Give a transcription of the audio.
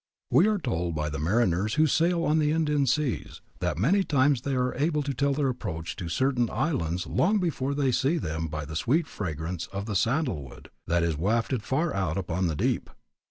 We are told by the mariners who sail on the Indian Seas, that many times they are able to tell their approach to certain islands long before they can see them by the sweet fragrance of the sandalwood that is wafted far out upon the deep.